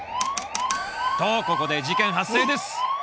とここで事件発生です